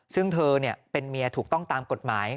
ซึ่งเธอเป็นเมียถูกต้องตามกฎหมาย